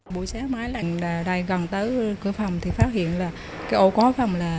bộ xé máy lành gần tới cửa phòng thì phát hiện là cái ổ khóa phòng là